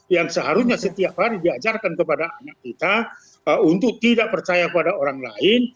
dan seharusnya setiap hari diajarkan kepada anak kita untuk tidak percaya pada orang lain